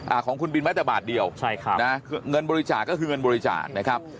อ่าของคุณบินแม้แต่บาทเดียวใช่ครับนะเงินบริจาคก็คือเงินบริจาคนะครับ